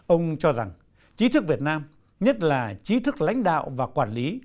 ông cho rằng chí thức việt nam nhất là chí thức lãnh đạo và quản lý